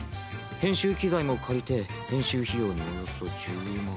編集機材も借りて編集費用におよそ１０万。